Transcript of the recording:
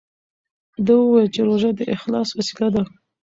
ده وویل چې روژه د اخلاص وسیله ده.